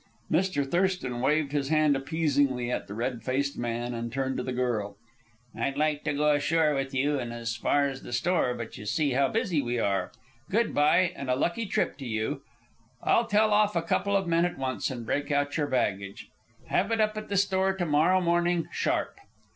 Mr. Thurston waved his hand appeasingly at the red faced man, and turned to the girl. "I'd like to go ashore with you, and as far as the store, but you see how busy we are. Good by, and a lucky trip to you. I'll tell off a couple of men at once and break out your baggage. Have it up at the store to morrow morning, sharp."